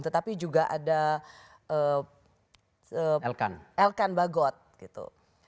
tetapi juga ada elkan bagot gitu